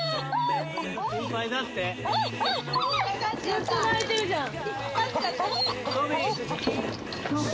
ずっと鳴いてるじゃん。